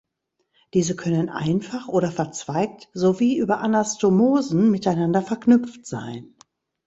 Diese können einfach oder verzweigt sowie über Anastomosen miteinander verknüpft sein.